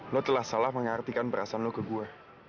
lo telah salah mengartikan perasaan lo ke gue